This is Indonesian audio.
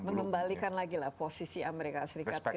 mengembalikan lagi lah posisi amerika serikat ke